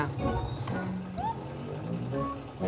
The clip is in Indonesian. ini mah bukan desa